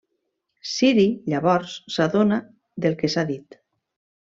Siri llavors s'adona del que s'ha dit.